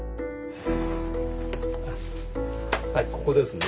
はいここですね。